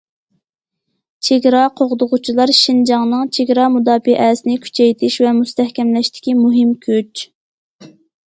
چېگرا قوغدىغۇچىلار شىنجاڭنىڭ چېگرا مۇداپىئەسىنى كۈچەيتىش ۋە مۇستەھكەملەشتىكى مۇھىم كۈچ.